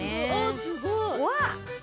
すごい！